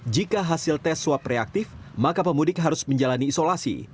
jika hasil tes swab reaktif maka pemudik harus menjalani isolasi